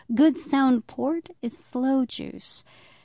Good sound port is sloe juice.